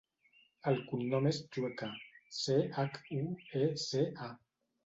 El cognom és Chueca: ce, hac, u, e, ce, a.